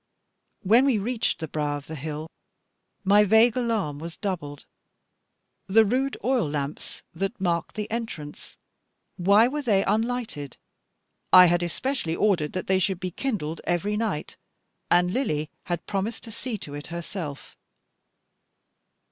When we reached the brow of the hill, my vague alarm was doubled. The rude oil lamps that marked the entrance, why were they unlighted? I had especially ordered that they should be kindled every night, and Lily had promised to see to it herself.